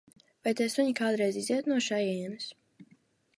Vai tie suņi kādreiz iziet no šejienes?